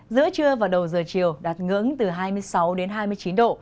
giữa trưa và đầu giờ chiều đạt ngưỡng từ hai mươi sáu đến hai mươi chín độ